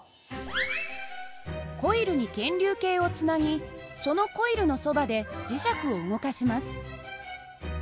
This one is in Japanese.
コイルに検流計をつなぎそのコイルのそばで磁石を動かします。